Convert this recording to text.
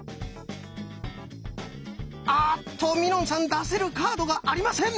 あっとみのんさん出せるカードがありません！